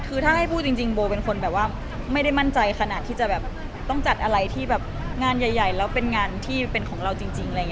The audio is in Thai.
คือถ้าให้พูดจริงบอกว่าไม่ได้มั่นใจขนาดที่จะต้องจัดอะไรที่งานใหญ่แล้วเป็นงานที่เป็นของเราจริง